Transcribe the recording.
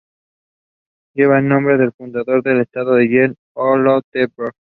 Lleva el nombre del fundador del estado, James Oglethorpe.